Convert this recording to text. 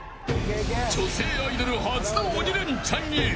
女性アイドル初の鬼レンチャンへ。